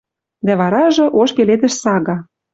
Дӓ варажы ош пеледӹш сага